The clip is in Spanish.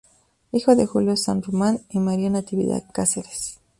Hijo de Julio San Román y María Natividad Cáceres.